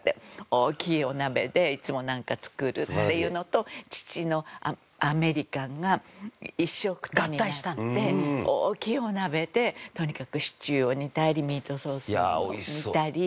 大きいお鍋でいつもなんか作るっていうのと父のアメリカンが一緒くたになって大きいお鍋でとにかくシチューを煮たりミートソースを煮たり。